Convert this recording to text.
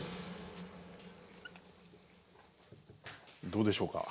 どうでしょうか？